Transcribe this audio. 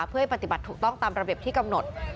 เพื่อให้ปฏิบัติถูกต้องตามระเบียบที่กำหนด